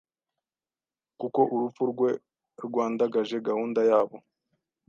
kuko urupfu rwe rwandagaje gahunda yabo